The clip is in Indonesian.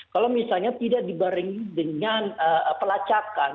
kalau misalnya tidak dibaringin dengan pelacakan